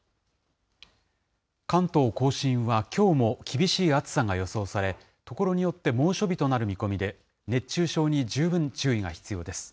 関東甲信はきょうも厳しい暑さが予想され、所によって猛暑日になる見込みで、熱中症に十分注意が必要です。